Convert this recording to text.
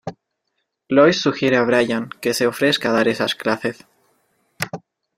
Lois sugiere a Brian que se ofrezca a dar esas clases.